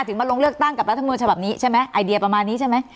มาลงเลือกตั้งกับรัฐมนต์ฉบับนี้ใช่ไหมไอเดียประมาณนี้ใช่ไหม